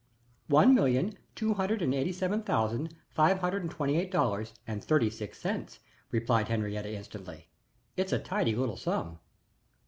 "One million two hundred and eighty seven thousand five hundred and twenty eight dollars and thirty six cents," replied Henriette instantly. "It's a tidy little sum."